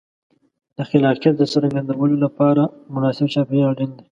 د خلاقیت د څرګندولو لپاره مناسب چاپېریال اړین دی.